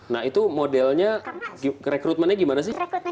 nah itu modelnya rekrutmennya gimana sih